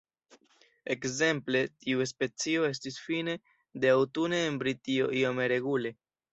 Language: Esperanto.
Ekzemple tiu specio estis fine de aŭtune en Britio iome regule.